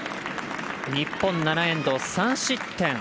日本、７エンド、３失点。